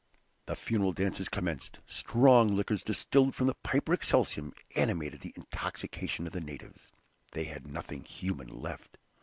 The funeral dances commenced. Strong liquors distilled from the "piper excelsum" animated the intoxication of the natives. They had nothing human left.